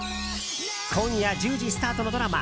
今夜１０時スタートのドラマ